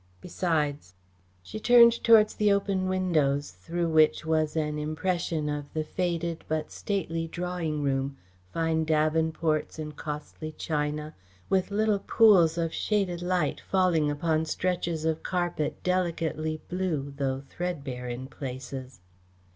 Besides " She turned towards the open windows through which was an impression of the faded but stately drawing room, fine davenports and costly china, with little pools of shaded light falling upon stretches of carpet delicately blue, though threadbare in places.